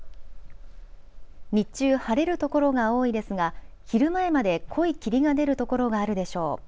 日中、晴れるところが多いですが昼前まで濃い霧が出るところがあるでしょう。